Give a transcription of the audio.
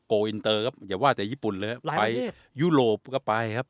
อินเตอร์ครับอย่าว่าแต่ญี่ปุ่นเลยครับไปยุโรปก็ไปครับ